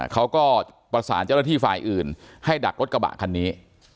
เขาก็ประสานเจ้าหน้าที่ฝ่ายอื่นให้ดักรถกระบะคันนี้